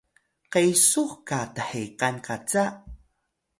qesux qa thekan qaca?